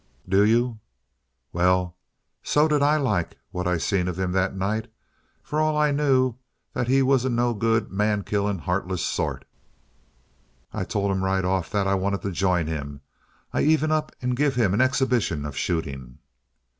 "Do you? Well, so did I like what I seen of him that night, for all I knew that he was a no good, man killing, heartless sort. I told him right off that I wanted to join him. I even up and give him an exhibition of shooting.